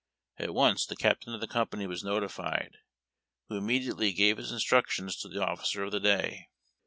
At once the ca[itain of the company was notified, who immediately gave his instructions to the officer of the day.